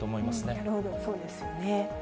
なるほど、そうですよね。